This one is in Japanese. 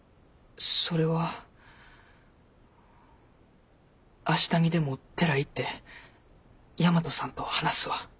それは明日にでも寺行って大和さんと話すわ。